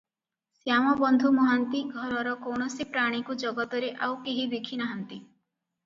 ଶ୍ୟାମବନ୍ଧୁ ମହାନ୍ତି ଘରର କୌଣସି ପ୍ରାଣୀକୁ ଜଗତରେ ଆଉ କେହି ଦେଖି ନାହାନ୍ତି ।